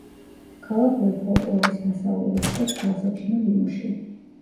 ქალაქური ფოლკლორის დასავლური შტოს თვალსაჩინო ნიმუში.